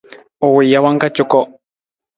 U wii jawang ka cuko.